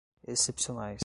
excepcionais